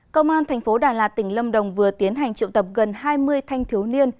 công an tp đà lạt tỉnh lâm đồng vừa tiến hành triệu tập gần hai mươi thanh thiếu niên